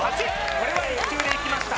これは１球でいきました